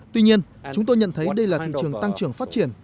tuy nhiên chúng tôi nhận thấy đây là thị trường tăng trưởng phát triển